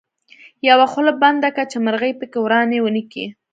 يره خوله بنده که چې مرغۍ پکې ورانی ونکي.